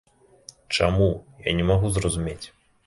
Чаму, я не магу зразумець.